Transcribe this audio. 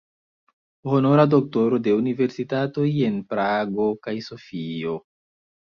Honora doktoro de universitatoj en Prago kaj Sofio.